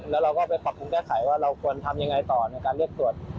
แล้วเราก็ไปปรับปรุงแก้ไขว่าเราควรทำยังไงต่อในการเรียกตรวจ